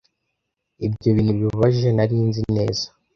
Ibyo bintu bibabaje nari nzi neza,